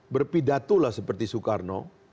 berpidatulah seperti soekarno